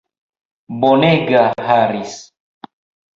Bonega Harris!